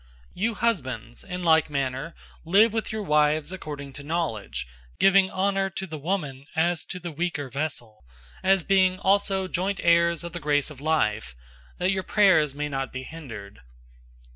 003:007 You husbands, in like manner, live with your wives according to knowledge, giving honor to the woman, as to the weaker vessel, as being also joint heirs of the grace of life; that your prayers may not be hindered.